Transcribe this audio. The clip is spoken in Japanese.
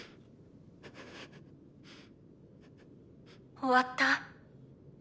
終わった？